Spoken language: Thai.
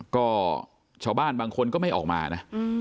ก็ชาวบ้านบางคนก็ไม่ออกมานะ